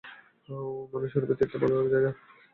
মানস-সরোবরের তীরটা ভালো জায়গা।